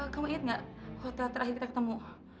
kamu ingat gak hotel terakhir kita ketemu